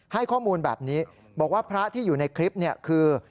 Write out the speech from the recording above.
ให้ข้อมูลแบบนี้บอกว่าพระที่อยู่ในคลิปเนี่ยคือ